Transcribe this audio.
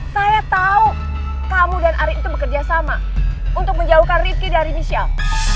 saya tahu kamu dan ari itu bekerja sama untuk menjauhkan ricky dari michelle